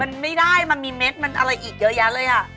มันไม่ได้มันมีเม็ดมันอะไรอีกเยอะแยะเลยอ่ะ